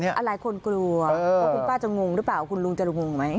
หลายคนกลัวว่าคุณป้าจะงงหรือเปล่าคุณลุงจะงงไหม